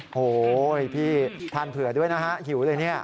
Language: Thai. โอ้โหพี่ทานเผื่อด้วยนะฮะหิวเลยเนี่ย